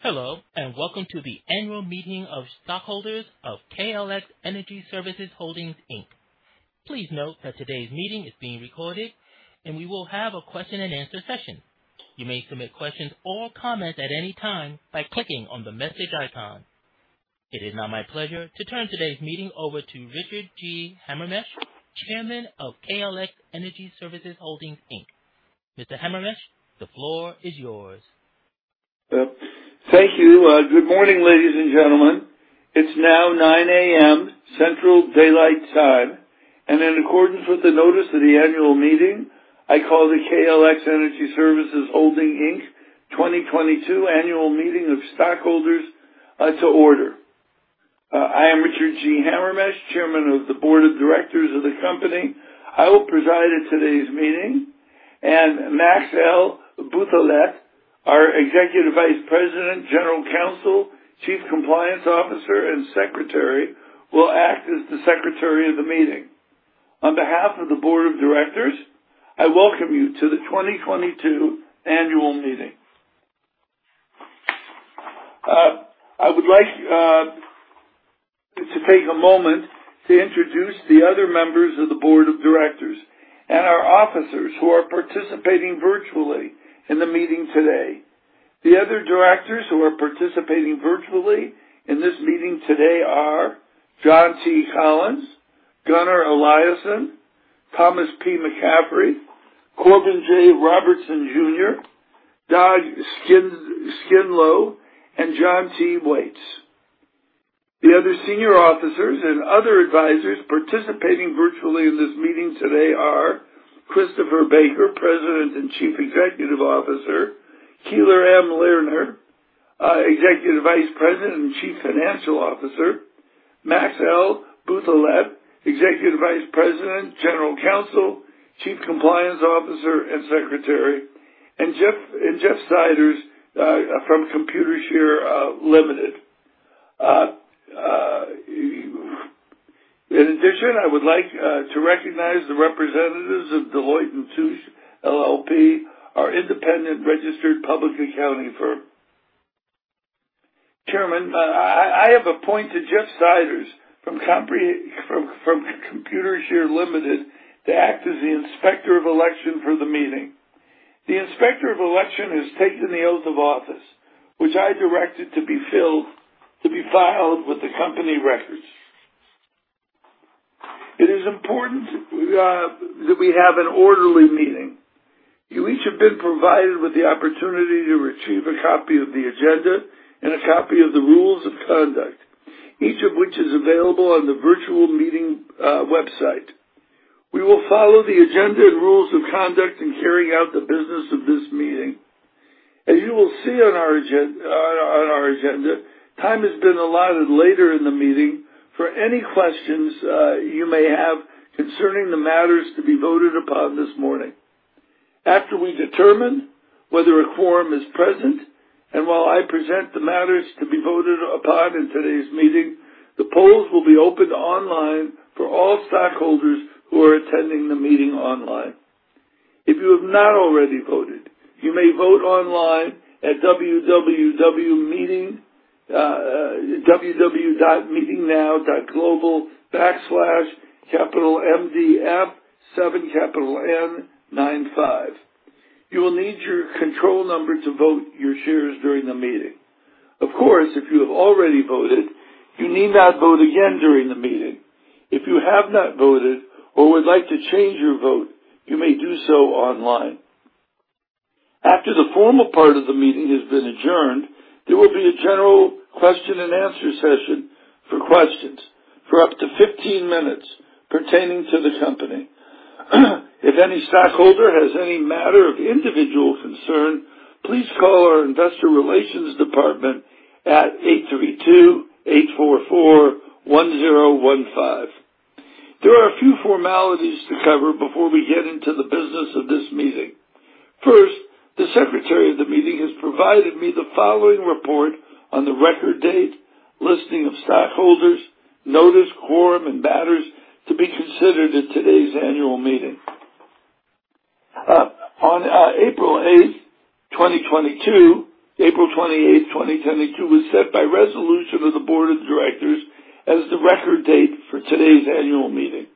Hello, and welcome to the annual meeting of stockholders of KLX Energy Services Holdings, Inc. Please note that today's meeting is being recorded, and we will have a question and answer session. You may submit questions or comments at any time by clicking on the message icon. It is now my pleasure to turn today's meeting over to Richard G. Hamermesh, Chairman of KLX Energy Services Holdings, Inc. Mr. Hamermesh, the floor is yours. Thank you. Good morning, ladies and gentlemen. It's now 9:00 A.M. Central Daylight Time, and in accordance with the notice of the annual meeting, I call the KLX Energy Services Holdings, Inc. 2022 annual meeting of stockholders to order. I am Richard G. Hamermesh, Chairman of the Board of Directors of the company. I will preside in today's meeting. Max L. Bouthillette, our Executive Vice President, General Counsel, Chief Compliance Officer, and Secretary, will act as the secretary of the meeting. On behalf of the board of directors, I welcome you to the 2022 annual meeting. I would like to take a moment to introduce the other members of the board of directors and our officers who are participating virtually in the meeting today. The other directors who are participating virtually in this meeting today are John T. Collins, Gunnar Eliassen, Thomas P. McCaffrey, Corbin J. Robertson Jr., Dag Skindlo, and John T. Whates. The other senior officers and other advisors participating virtually in this meeting today are Christopher J. Baker, President and Chief Executive Officer, Keefer M. Lehner, Executive Vice President and Chief Financial Officer, Max L. Bouthillette, Executive Vice President, General Counsel, Chief Compliance Officer, and Secretary, and Jeff Siders from Computershare Limited. In addition, I would like to recognize the representatives of Deloitte & Touche LLP, our independent registered public accounting firm. Chairman, I have appointed Jeff Siders from Computershare Limited to act as the Inspector of Election for the meeting. The Inspector of Election has taken the oath of office, which I directed to be filed with the company records. It is important that we have an orderly meeting. You each have been provided with the opportunity to retrieve a copy of the agenda and a copy of the rules of conduct, each of which is available on the virtual meeting website. We will follow the agenda and rules of conduct in carrying out the business of this meeting. As you will see on our agenda, time has been allotted later in the meeting for any questions you may have concerning the matters to be voted upon this morning. After we determine whether a quorum is present, and while I present the matters to be voted upon in today's meeting, the polls will be opened online for all stockholders who are attending the meeting online. If you have not already voted, you may vote online at www.meetingnow.global/MDM7N95. You will need your control number to vote your shares during the meeting. Of course, if you have already voted, you need not vote again during the meeting. If you have not voted or would like to change your vote, you may do so online. After the formal part of the meeting has been adjourned, there will be a general question and answer session for questions for up to 15 minutes pertaining to the company. If any stockholder has any matter of individual concern, please call our investor relations department at eight three two eight four four one zero one five. There are a few formalities to cover before we get into the business of this meeting. First, the secretary of the meeting has provided me the following report on the record date, listing of stockholders, notice, quorum, and matters to be considered at today's annual meeting. On April 8, 2022, April 28, 2022, was set by resolution of the board of directors as the record date for today's annual meeting.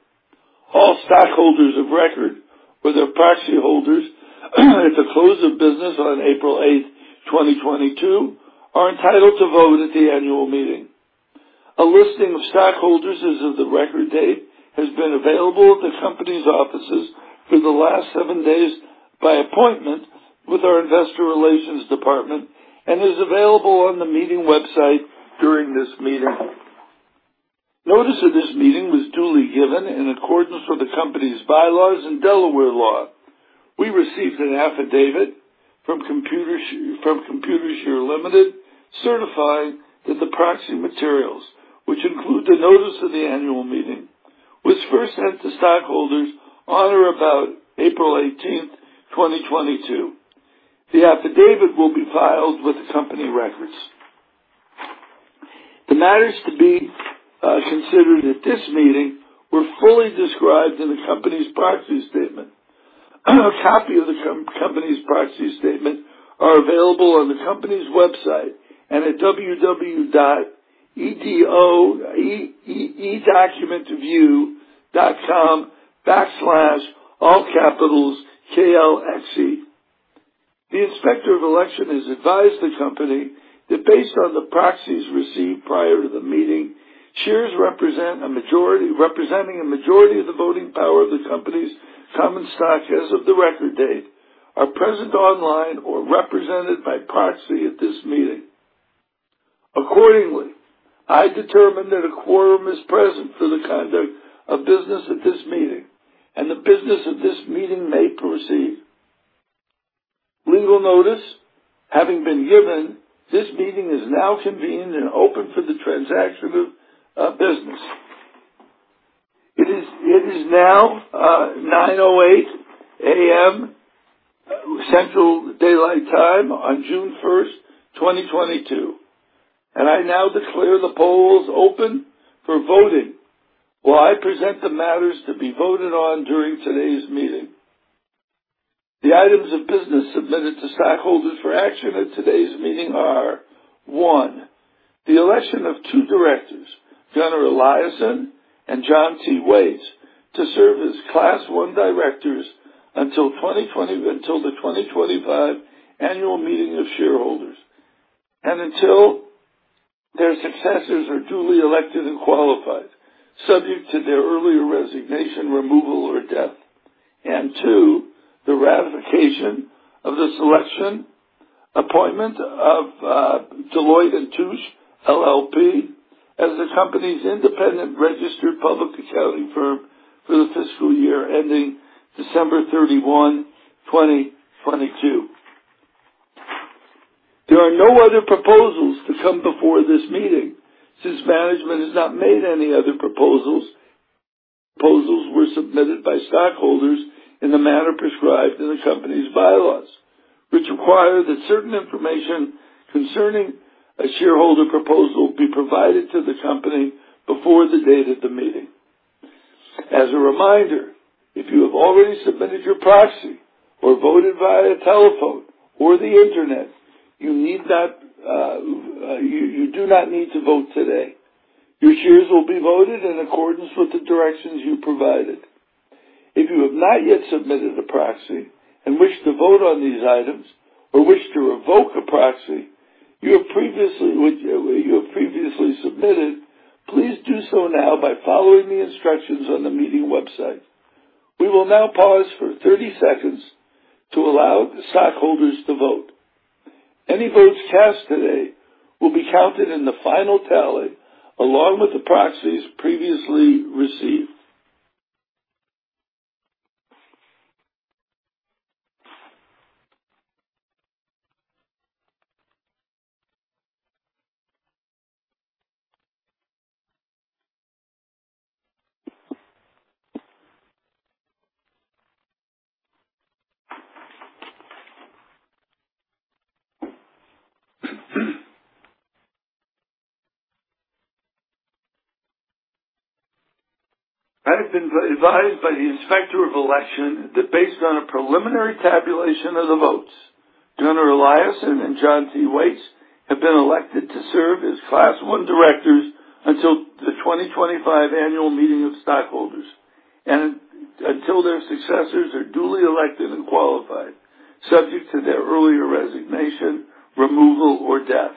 All stockholders of record with their proxy holders at the close of business on April 8, 2022, are entitled to vote at the annual meeting. A listing of stockholders as of the record date has been available at the company's offices for the last seven days by appointment with our investor relations department and is available on the meeting website during this meeting. Notice of this meeting was duly given in accordance with the company's bylaws and Delaware law. We received an affidavit from Computershare Limited certifying that the proxy materials, which include the notice of the annual meeting, was first sent to stockholders on or about April 18, 2022. The affidavit will be filed with the company records. The matters to be considered at this meeting were fully described in the company's proxy statement. A copy of the company's proxy statement are available on the company's website and at www.edgar.edocumentview.com/KLXE. The Inspector of Election has advised the company that based on the proxies received prior to the meeting, shares representing a majority of the voting power of the company's common stock as of the record date, are present online or represented by proxy at this meeting. Accordingly, I determine that a quorum is present for the conduct of business at this meeting, and the business of this meeting may proceed. Legal notice having been given, this meeting is now convened and open for the transaction of business. It is now 9:08 A.M. Central Daylight Time on June 1st, 2022, and I now declare the polls open for voting while I present the matters to be voted on during today's meeting. The items of business submitted to stockholders for action at today's meeting are, one, the election of two directors, Gunnar Eliassen and John T. Whates, to serve as class one directors until the 2025 annual meeting of shareholders and until their successors are duly elected and qualified, subject to their earlier resignation, removal, or death. Two, the ratification of the selection appointment of Deloitte & Touche LLP as the company's independent registered public accounting firm for the fiscal year ending December 31, 2022. There are no other proposals to come before this meeting since management has not made any other proposals. Proposals were submitted by stockholders in the manner prescribed in the company's bylaws, which require that certain information concerning a shareholder proposal be provided to the company before the date of the meeting. As a reminder, if you have already submitted your proxy or voted via telephone or the Internet, you do not need to vote today. Your shares will be voted in accordance with the directions you provided. If you have not yet submitted a proxy and wish to vote on these items or wish to revoke a proxy you have previously submitted, please do so now by following the instructions on the meeting website. We will now pause for 30 seconds to allow stockholders to vote. Any votes cast today will be counted in the final tally, along with the proxies previously received. I have been advised by the Inspector of Election that based on a preliminary tabulation of the votes, Gunnar Eliassen and John T. Whates have been elected to serve as class one directors until the 2025 annual meeting of stockholders and until their successors are duly elected and qualified, subject to their earlier resignation, removal, or death.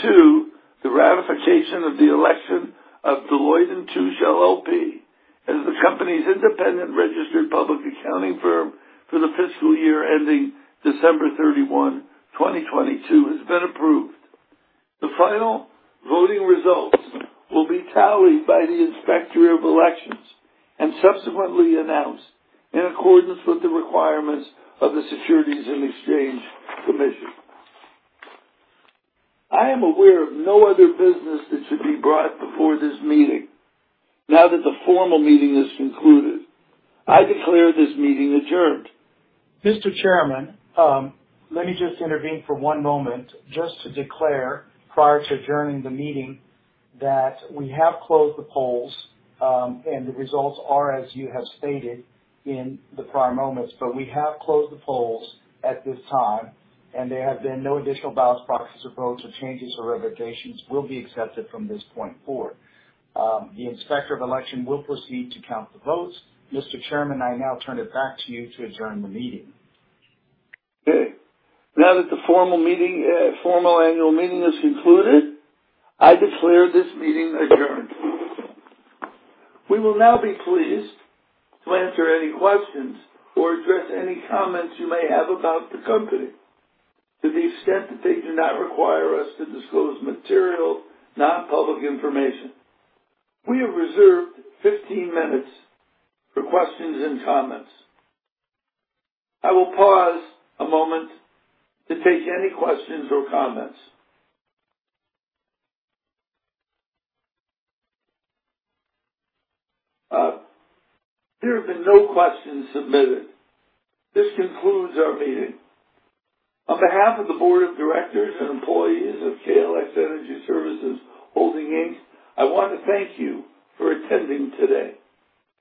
Two, the ratification of the election of Deloitte & Touche LLP as the company's independent registered public accounting firm for the fiscal year ending December 31, 2022 has been approved. The final voting results will be tallied by the Inspector of Elections and subsequently announced in accordance with the requirements of the Securities and Exchange Commission. I am aware of no other business that should be brought before this meeting. Now that the formal meeting is concluded, I declare this meeting adjourned. Mr. Chairman, let me just intervene for one moment just to declare prior to adjourning the meeting that we have closed the polls, and the results are as you have stated in the prior moments. We have closed the polls at this time, and there have been no additional ballots, proxies, or votes or changes or revocations will be accepted from this point forward. The Inspector of Election will proceed to count the votes. Mr. Chairman, I now turn it back to you to adjourn the meeting. Okay. Now that the formal meeting, formal annual meeting is concluded, I declare this meeting adjourned. We will now be pleased to answer any questions or address any comments you may have about the company to the extent that they do not require us to disclose material non-public information. We have reserved 15 minutes for questions and comments. I will pause a moment to take any questions or comments. There have been no questions submitted. This concludes our meeting. On behalf of the Board of Directors and employees of KLX Energy Services Holdings, Inc., I want to thank you for attending today.